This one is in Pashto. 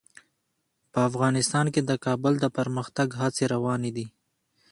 په افغانستان کې د کابل د پرمختګ هڅې روانې دي.